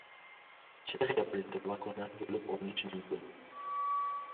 Chexiya prezidenti vakolatlari bo‘lib olinishi mumkin